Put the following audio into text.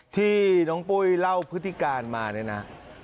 ที่น้องปุ้ยเล่าพฤติการมาเนี่ยนะ